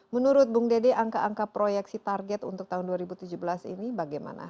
menurut bung dede angka angka proyeksi target untuk tahun dua ribu tujuh belas ini bagaimana